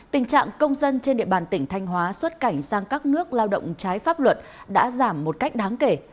tình trạng công dân trên địa bàn tỉnh thanh hóa xuất cảnh sang các nước lao động trái pháp luật đã giảm một cách đáng kể